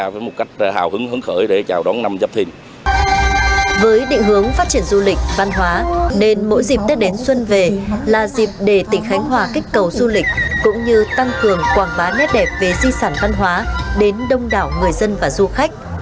với định hướng phát triển du lịch văn hóa nên mỗi dịp tết đến xuân về là dịp để tỉnh khánh hòa kích cầu du lịch cũng như tăng cường quảng bá nét đẹp về di sản văn hóa đến đông đảo người dân và du khách